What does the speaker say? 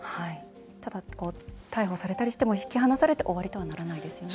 ただ逮捕されたりしても引き離されて終わりとはならないですよね。